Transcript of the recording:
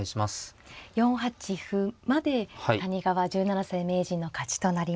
４八歩まで谷川十七世名人の勝ちとなりました。